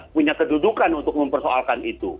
punya kedudukan untuk mempersoalkan itu